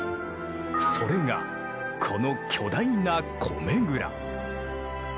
それがこの巨大な米蔵。